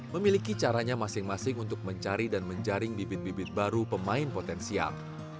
memiliki caranya masing masing untuk mencari dan menjaring bibit bibit baru pemain potensial